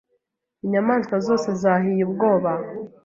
Inyamaswa zose zahiye ubwoba